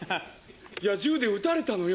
いや銃で撃たれたのよ。